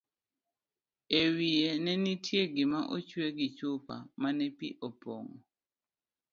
e wiye nenitie gima ochwe gi chupa mane pi opong'o